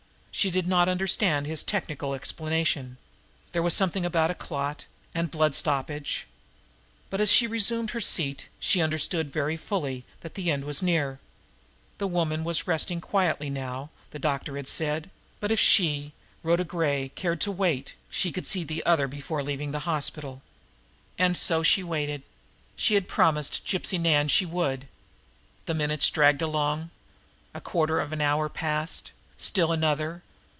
She did not understand his technical explanation. There was something about a clot and blood stoppage. But as she resumed her seat, she understood very fully that the end was near. The woman was resting quietly now, the doctor had said, but if she, Rhoda Gray, cared to wait, she could see the other before leaving the hospital. And so she waited. She had promised Gypsy Nan she would. The minutes dragged along. A quarter of an hour passed. Still another.